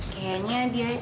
kayaknya dia gak ada lagi